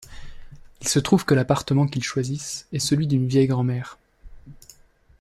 Il se trouve que l'appartement qu'ils choisissent est celui d'une vieille grand-mère.